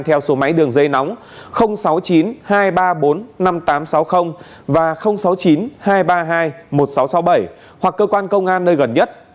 theo số máy đường dây nóng sáu mươi chín hai trăm ba mươi bốn năm nghìn tám trăm sáu mươi và sáu mươi chín hai trăm ba mươi hai một nghìn sáu trăm sáu mươi bảy hoặc cơ quan công an nơi gần nhất